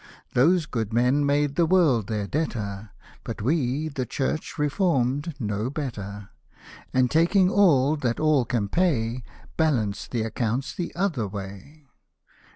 Those good men made the world their debtor, But we, the Church reformed, know better ; And, taking all that all can pay. Balance th' account the other way.